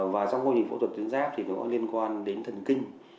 và trong phẫu thuật ưu tuyến giáp thì nó liên quan đến thần kinh